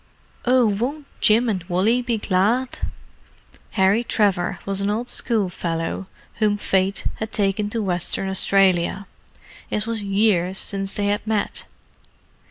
"Oh, won't Jim and Wally be glad!" Harry Trevor was an old school fellow whom Fate had taken to Western Australia; it was years since they had met.